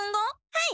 はい。